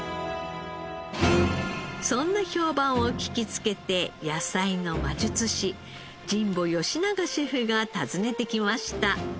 そんな評判を聞きつけて野菜の魔術師神保佳永シェフが訪ねてきました。